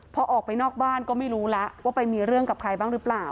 พอออกไปนอกบ้านก็ไม่รู้แล้วว่าไปมีเรื่องกับใครบ้างหรือเปล่า